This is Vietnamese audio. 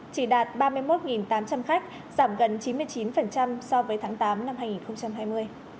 chỉ đạt ba mươi một tám trăm linh khách giảm gần chín mươi chín so với tháng tám năm hai nghìn hai mươi